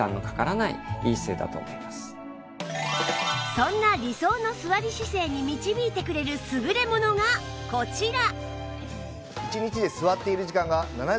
そんな理想の座り姿勢に導いてくれる優れものがこちら